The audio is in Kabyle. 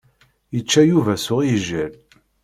Yečča Yuba s uɛijel.